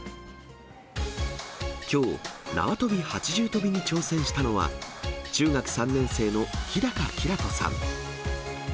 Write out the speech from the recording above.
きょう、縄跳び８重跳びに挑戦したのは、中学３年生の日高煌人さん。